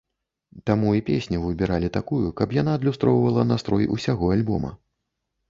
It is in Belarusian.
Таму і песню выбіралі такую, каб яна адлюстроўвала настрой усяго альбома.